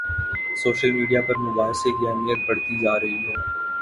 Social media پر مباحثے کی اہمیت بڑھتی جا رہی ہے۔